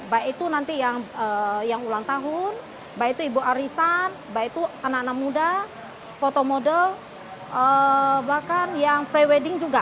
baik itu nanti yang ulang tahun baik itu ibu arisan baik itu anak anak muda foto model bahkan yang pre wedding juga